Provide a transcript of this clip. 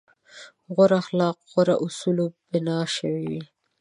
غوره اخلاق په غوره اصولو بنا شوي وي.